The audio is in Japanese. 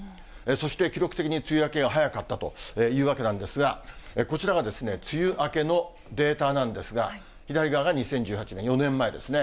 そして、記録的に梅雨明けが早かったというわけなんですが、こちらが梅雨明けのデータなんですが、左側が２０１８年、４年前ですね。